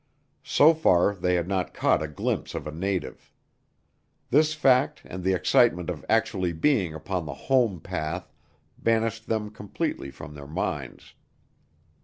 So far they had not caught a glimpse of a native. This fact and the excitement of actually being upon the home path banished them completely from their minds.